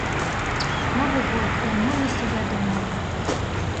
Новы год, вярнуліся дадому.